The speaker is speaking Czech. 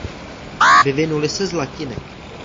Vyvynuly se z latiny.